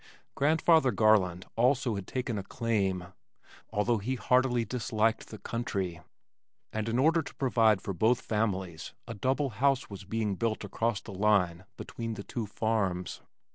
Grandfather Garland had also taken a claim (although he heartily disliked the country) and in order to provide for both families a double house was being built across the line between the two farms.